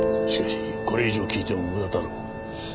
しかしこれ以上聞いても無駄だろう。